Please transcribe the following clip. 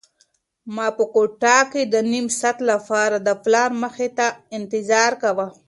ما په کوټه کې د نيم ساعت لپاره د پلار مخې ته انتظار کاوه.